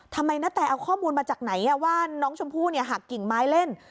นาแตเอาข้อมูลมาจากไหนว่าน้องชมพู่หักกิ่งไม้เล่น